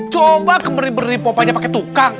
coba kemeri beri popanya pakai tukang